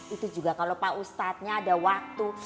itu juga kalau pak ustadznya ada waktu